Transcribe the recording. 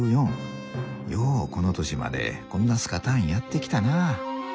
「ようこの歳までこんなすかたんやってきたなあ」。